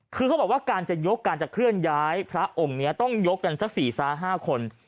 คือเขาบอกว่าการจะยกการจะเคลื่อนย้ายพระองค์นี้ต้องยกกันสัก๔๕คน